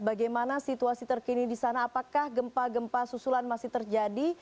bagaimana situasi terkini di sana apakah gempa gempa susulan masih terjadi